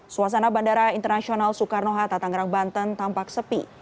suasana bandara internasional soekarno hatta tangerang banten tampak sepi